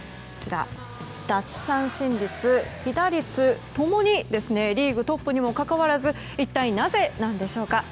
奪三振率、被打率共にリーグトップにもかかわらず一体なぜなんでしょうか？